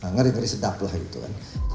ngeri ngeri sedap lah gitu kan